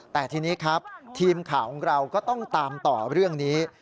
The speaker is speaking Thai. แต่ทีนี้ครับทีมข่าวของเราก็ต้องตามต่อเรื่องนี้